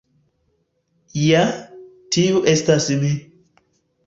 Ja, tiu estas mi.